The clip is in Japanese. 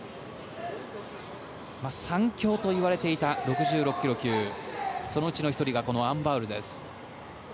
３強といわれていた６６ｋｇ級そのうちの１人がこのアン・バウルです。